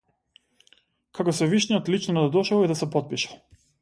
Како севишниот лично да дошол и да се потпишал.